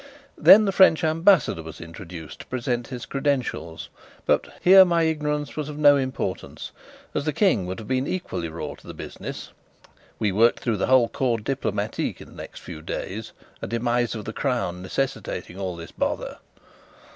Then the French ambassador was introduced, to present his credentials; here my ignorance was of no importance, as the King would have been equally raw to the business (we worked through the whole corps diplomatique in the next few days, a demise of the Crown necessitating all this bother).